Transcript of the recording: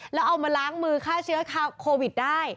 แล้วเอามาล้างมือฆ่าเชื้อโควิดได้